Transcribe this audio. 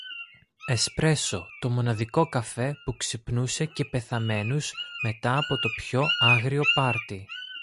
Εσπρέσο, το μοναδικό καφέ που ξυπνούσε και πεθαμένους μετά από το πιο άγριο πάρτι